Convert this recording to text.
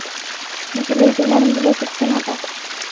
نجلۍ د نرم زړه څښتنه ده.